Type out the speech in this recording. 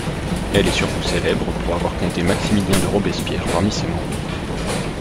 Elle est surtout célèbre pour avoir compté Maximilien de Robespierre parmi ses membres.